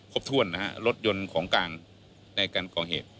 ครบถ้วนนะฮะรถยนต์ของกลางในการก่อเหตุ